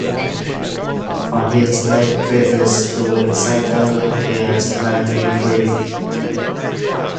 On his next visit to Exeter he had nineteen briefs.